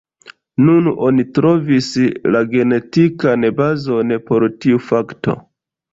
Nun oni trovis la genetikan bazon por tiu fakto.